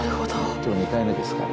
今日２回目ですから。